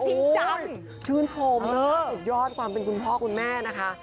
จริงจังชื่นชมสุดยอดความเป็นคุณพ่อคุณแม่นะคะ